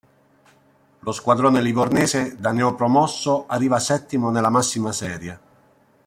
Lo squadrone livornese da neopromosso arriva settimo nella massima serie.